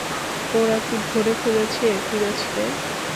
ওরা কি ধরে ফেলেছে ফিরোজকে?